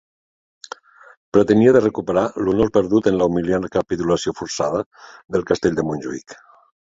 Pretenia de recuperar l'honor perdut en la humiliant capitulació forçada del castell de Montjuïc.